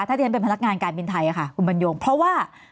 ถ้าที่ฉันเป็นพนักงานการบินไทยค่ะคุณบรรยงเพราะว่า